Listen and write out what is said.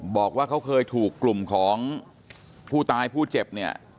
บอกว่าเขาเคยถูกกลุ่มของผู้ตายผู้เจ็บเนี่ย